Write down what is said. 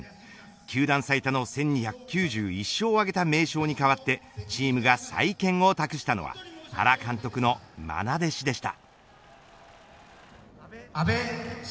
球団最多の１２９１勝を挙げた名将に代わってチームが再建を託したのは原監督のまな弟子でした。